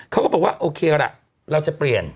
เขาก็บอกว่าโอเคล่ะเราจะเปลี่ยน